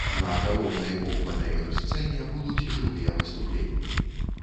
На галоўнай оўпэн-эйр-сцэне будуць жывыя выступленні.